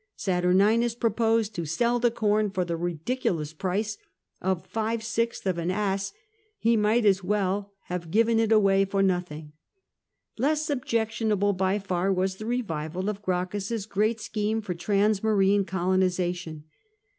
Saturninus proposed to sell the com for the ridiculous price of five sixths of an as ; he might as well have given it away for nothing. Less objectionable by far was the revival of Gracchus's great scheme for transmarine colonisation.